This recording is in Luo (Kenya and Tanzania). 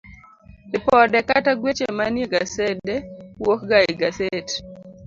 Ripode kata Gweche Manie Gasede wuok ga e gaset